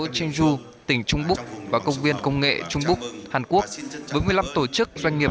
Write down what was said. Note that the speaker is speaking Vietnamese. chengdu tỉnh trung búc và công viên công nghệ trung búc hàn quốc với một mươi năm tổ chức doanh nghiệp